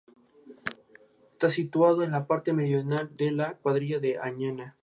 Está situado en la parte meridional de la cuadrilla de Añana.